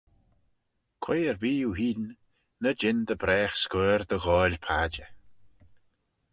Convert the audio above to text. Quoi erbee oohene, ny jean dy bragh scuirr dy ghoaill padjer.